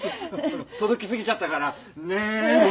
届きすぎちゃったからねえ。